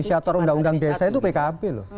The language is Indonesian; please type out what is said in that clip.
inisiator undang undang desa itu pkb loh